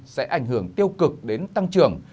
sẽ ảnh hưởng tiêu cực đến tăng trưởng